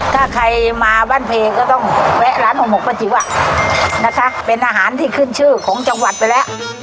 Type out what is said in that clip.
ถ้าใครมาบ้านเพลงก็ต้องแวะร้านห่อหมกป้าจิวะนะคะเป็นอาหารที่ขึ้นชื่อของจังหวัดไปแล้ว